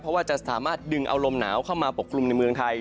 เพราะว่าจะสามารถดึงเอาลมหนาวเข้ามาปกกลุ่มในเมืองไทย